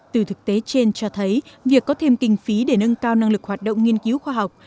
từ thực tế trên cho thấy việc có thêm kinh phí để nâng cao năng lực hoạt động nghiên cứu khoa học